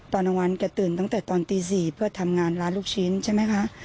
ตอนกลางวันแกตื่นตั้งแต่ตอนตี๔เพื่อทำงานร้านลูกชิ้นใช่ไหมคะ